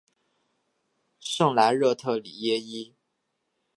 圣莱热特里耶伊。